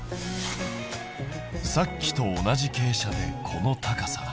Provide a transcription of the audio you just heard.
さっきと同じ傾斜でこの高さだ。